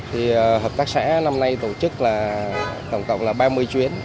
hợp tác xã năm nay tổ chức tổng cộng là ba mươi chuyến